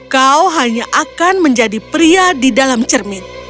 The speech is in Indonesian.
kau hanya akan menjadi pria di dalam cermin